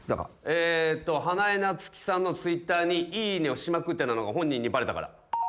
えーっと花江夏樹さんのＴｗｉｔｔｅｒにいいねをしまくってたのが本人にバレたから。